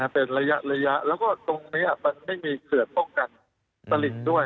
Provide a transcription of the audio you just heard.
เป็นระยะแล้วก็ตรงนี้มันไม่มีเขื่อนป้องกันตลิ่งด้วย